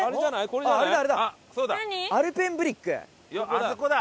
あそこだ！